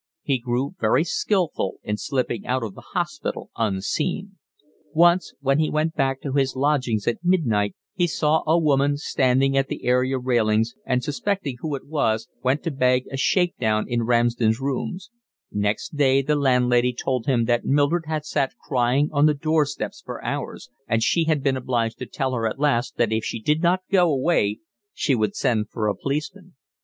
He grew very skilful in slipping out of the hospital unseen. Once, when he went back to his lodgings at midnight, he saw a woman standing at the area railings and suspecting who it was went to beg a shake down in Ramsden's rooms; next day the landlady told him that Mildred had sat crying on the doorsteps for hours, and she had been obliged to tell her at last that if she did not go away she would send for a policeman.